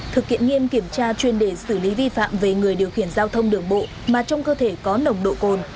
thực hiện nghiêm kiểm tra chuyên đề xử lý vi phạm về người điều khiển giao thông đường bộ mà trong cơ thể có nồng độ cồn